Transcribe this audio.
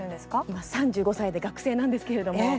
今、３５歳で学生なんですけれども。